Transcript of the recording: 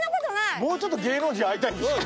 もうちょっと芸能人会いたいですよ。